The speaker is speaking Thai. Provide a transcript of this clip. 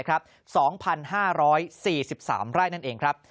๒๕๔๓ไร่นั่นเองครับ